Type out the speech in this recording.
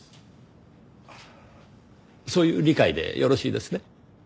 そういう理解でよろしいですね？